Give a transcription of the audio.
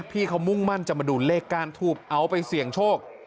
พี่เขามุ่งมั่นจะมาดูเลขก้านทูบเอาไปเสี่ยงโชค